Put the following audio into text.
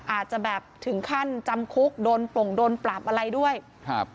อาจจะแบบถึงขั้นจำคุกโดนปลงโดนปรับอะไรด้วยครับ